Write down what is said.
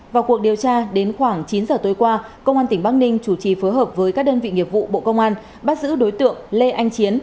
vào cuộc điều tra đến khoảng chín giờ tối qua công an tỉnh bắc ninh chủ trì phối hợp với các đơn vị nghiệp vụ bộ công an bắt giữ đối tượng lê anh chiến